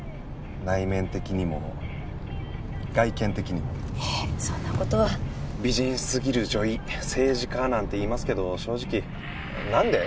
内面的にも外見的にもいえそんなことは美人すぎる女医政治家なんて言いますけど正直「何で？」